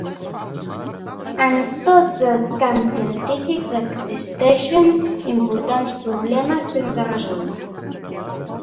En tots els camps científics existeixen importants problemes sense resoldre.